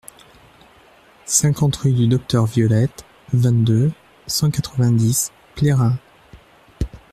cinquante rue du Docteur Violette, vingt-deux, cent quatre-vingt-dix, Plérin